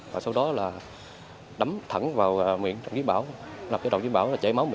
và sau đó đấm thẳng vào miệng đồng chí bảo